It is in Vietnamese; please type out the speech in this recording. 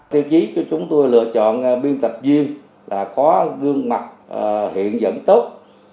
tiêu chí cho chúng tôi lựa chọn biên tập viên là có gương mặt hiện dẫn tốt